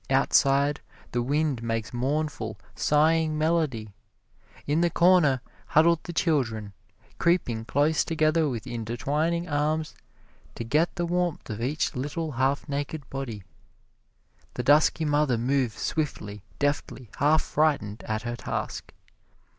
Outside the wind makes mournful, sighing melody. In the corner huddled the children, creeping close together with intertwining arms to get the warmth of each little half naked body. The dusky mother moves swiftly, deftly, half frightened at her task.